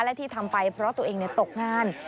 และที่ทำไปเพราะตัวเองตกงาน